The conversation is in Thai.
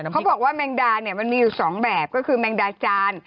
เขาบอกว่าแมงดาเนี่ยมันมีอยู่๒แบบก็คือแมงดาจาน